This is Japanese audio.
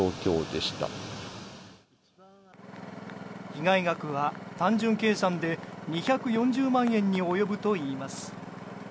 被害額は単純計算で２４０万円に及ぶといいます。